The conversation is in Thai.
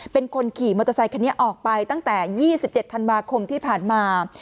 เป็นคนขี่มอเตอร์ไซคันนี้ออกไปตั้งแต่๒๗ธันวาคมที่ผ่านมา